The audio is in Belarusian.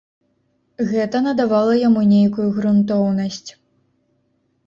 Гэта надавала яму нейкую грунтоўнасць.